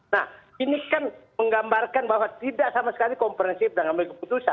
nah ini kan menggambarkan bahwa tidak sama sekali komprensif dengan melakukan ini